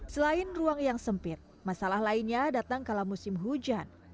selain ruang yang sempit masalah lainnya datang kala musim hujan